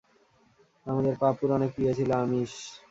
আমাদের পাপ্পুর অনেক প্রিয় ছিলো আমিষ।